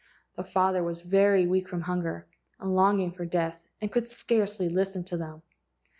The father was very weak from hunger, and long¬ ing for death, and could scarcely listen to them.